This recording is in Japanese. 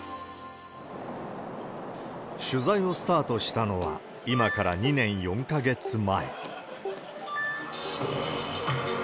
取材をスタートしたのは、今から２年４か月前。